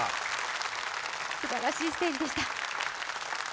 すばらしいステージでした。